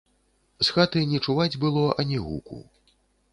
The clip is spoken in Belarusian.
З хаты не чуваць было ані гуку.